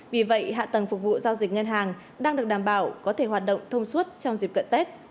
vì vậy hạ tầng phục vụ giao dịch ngân hàng đang được đảm bảo có thể hoạt động thông suốt trong dịp cận tết